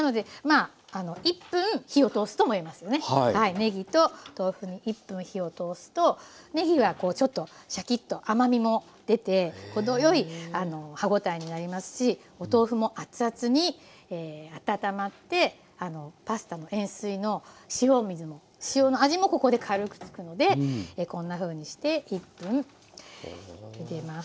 ねぎと豆腐に１分火を通すとねぎはこうちょっとシャキッと甘みも出て程よい歯応えになりますしお豆腐も熱々に温まってパスタの塩水の塩の味もここで軽くつくのでこんなふうにして１分ゆでます。